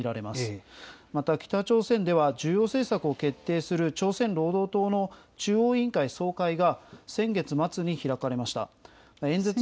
また北朝鮮では重要政策を決定する朝鮮労働党の中央委員会総会が、先月末に開かれました。